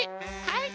はい。